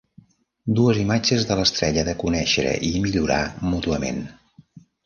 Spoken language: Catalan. Dues imatges de l'estrella de conèixer i millorar mútuament.